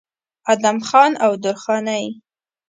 ادم خان او درخانۍ